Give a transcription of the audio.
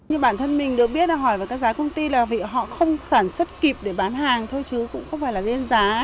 như bản thân mình được biết là hỏi về các giá công ty là vì họ không sản xuất kịp để bán hàng thôi chứ cũng không phải là lên giá